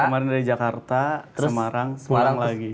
kemarin dari jakarta semarang pulang lagi